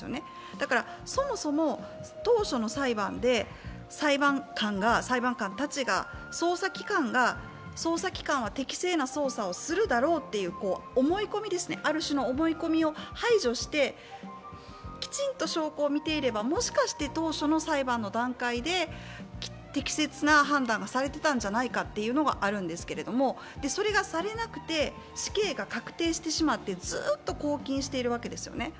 だから、そもそも当初の裁判で裁判官たちが捜査機関は適正な操作をするだろうという、ある種の思い込みを排除して、きちんと証拠を見ていれば、もしかして当初の裁判の段階で適切な判断がされていたんじゃないかというのがあるんですけども、それがされなくて、死刑が確定してしまって、ずっと拘禁しているわけですよね。